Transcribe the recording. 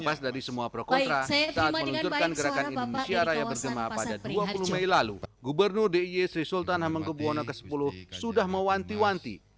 lepas dari semua prokontra saat menunturkan gerakan indonesia raya berkema pada dua puluh mei lalu gubernur d i sri sultan hamengkebuwana ke sepuluh sudah mewanti wanti